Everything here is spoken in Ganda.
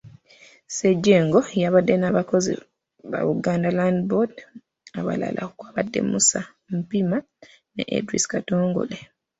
Ssejjengo yabadde n’abakozi ba Buganda Land Board abalala okwabadde Musa Mpiima ne Edris Katongole.